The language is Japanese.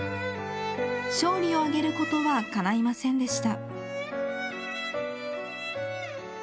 勝利を挙げることは叶いませんでした。